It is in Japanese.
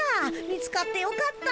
見つかってよかった。